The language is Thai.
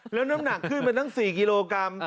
แล้วน้ำหนักขึ้นไปตั้ง๔กิโลกรัม